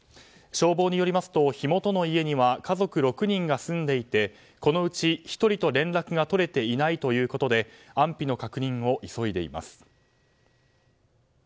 消防によりますと、火元の家には家族６人が住んでいてこのうち１人と連絡が取れていないということで安否の確認を急いでいます。